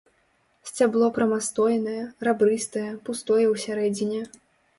Сцябло прамастойнае, рабрыстае, пустое ў сярэдзіне.